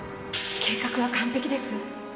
計画は完璧です。